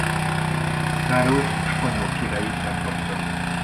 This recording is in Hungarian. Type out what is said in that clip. Károly spanyol király után kapta.